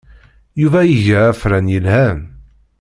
Yuba iga afran yelhan.